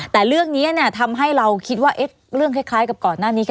แต่เรื่องนี้ทำให้เราคิดว่าเรื่องคล้ายกับก่อนหน้านี้